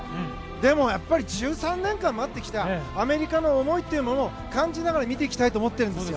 でもやっぱり、１３年間待ってきたアメリカの思いというものを感じながら見たいと思ってます。